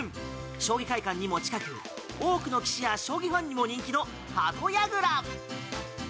将棋会館にも近く多くの棋士や将棋ファンにも人気の鳩やぐら。